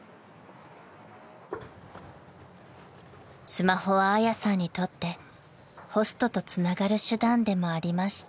［スマホはあやさんにとってホストとつながる手段でもありました］